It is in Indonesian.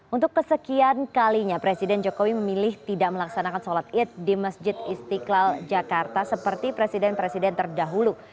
untuk kesekian kalinya presiden jokowi memilih tidak melaksanakan sholat id di masjid istiqlal jakarta seperti presiden presiden terdahulu